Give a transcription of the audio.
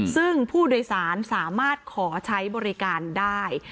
ซึ่งผู้โดยสารสามารถขอใช้บริการได้